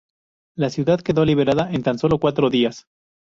La ciudad quedó liberada en tan solo cuatro días.